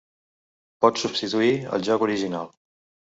Pot substituir el joc original.